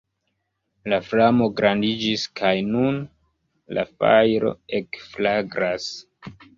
La flamo grandiĝis kaj nun la fajro ekflagras.